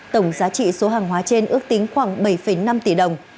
tổng giá trị số hàng hóa trên ước tính khoảng bảy năm tỷ đồng